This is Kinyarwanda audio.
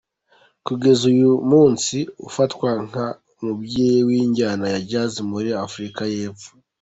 Kugeza uyu munsi afatwa nk’ umubyeyi w’injyana ya Jazz muri Afurika y’Epfo.